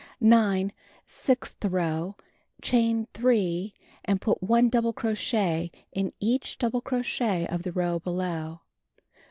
9. Sixth row: Chain 3 and put 1 double crochet in each double crochet of the row below.